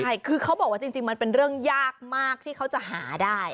ใช่คือเขาบอกว่าจริงมันเป็นเรื่องยากมากที่เขาจะหาได้